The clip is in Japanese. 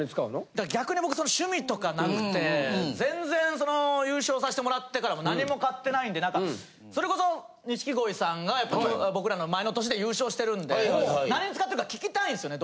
だから逆に僕その趣味とかなくて全然その優勝させて貰ってから何も買ってないんでなんかそれこそ錦鯉さんがやっぱ僕らの前の年で優勝してるんで何に使ってるか聞きたいんですよね。